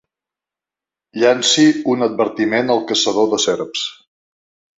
Llanci un advertiment al caçador de serps.